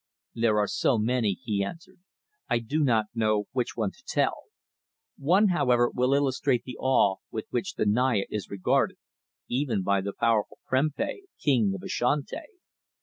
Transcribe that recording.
"There are so many," he answered, "I do not know which one to tell. One, however, will illustrate the awe with which the Naya is regarded, even by the powerful Prempeh, King of Ashanti.